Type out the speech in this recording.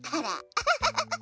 アハハハ！